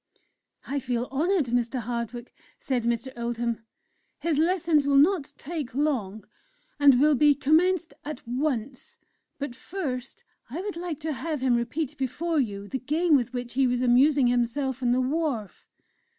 "I feel honoured, Mr. Hardwick," said Mr. Oldham; "his lessons will not take long, and will be commenced at once. But first, I would like to have him repeat before you the game with which he was amusing himself on the wharf." Mr.